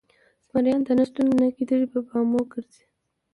ـ زمريانو د نشتون نه ګيدړې په بامو ګرځي